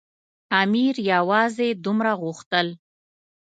امیر یوازې دومره غوښتل.